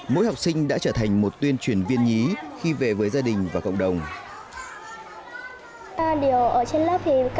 mỗi học sinh đã trở thành một trường tiểu học